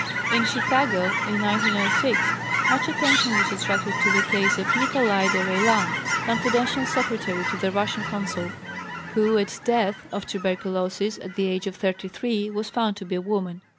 In Chicago in 1906 much attention was attracted to the case of "Nicholai de Raylan," confidential secretary to the Russian Consul, who at death (of tuberculosis) at the age of 33 was found to be a woman.